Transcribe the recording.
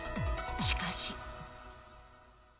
しかし。